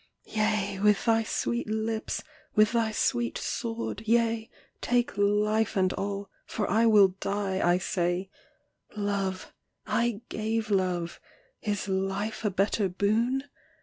Yea, with thy sweet lips, with thy sweet sword; yea, Take life and all, for I will die, I say; Love, I gave love, is life a better boon?